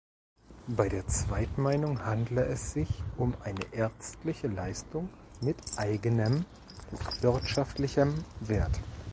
Bei der Zweitmeinung handele es sich um eine ärztliche Leistung mit eigenem wirtschaftlichem Wert.